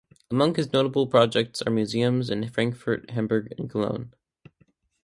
Among his notable projects are museums in Frankfurt, Hamburg and Cologne.